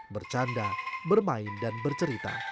bercanda bermain dan bercerita